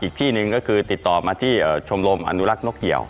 อีกที่หนึ่งก็คือติดต่อมาที่ชมรมอนุรักษ์นกเหี่ยว